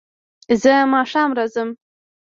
زه ماښام راځم